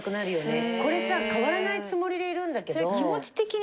これさ変わらないつもりでいるんだけど。